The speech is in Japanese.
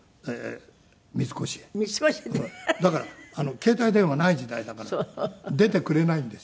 携帯電話ない時代だから出てくれないんですよ。